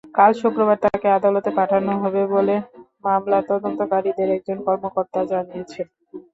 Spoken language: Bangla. কাল শুক্রবার তাঁকে আদালতে পাঠানো হবে বলে মামলার তদন্তকারীদের একজন কর্মকর্তা জানিয়েছেন।